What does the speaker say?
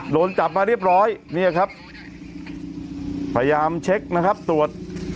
โดนจับมาเรียบร้อยเนี่ยครับพยายามเช็คนะครับตรวจ